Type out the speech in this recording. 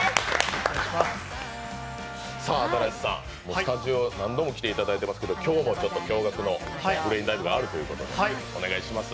スタジオ何度も来ていただいてますけど今日も驚がくのブレインダイブがあるということでお願いします。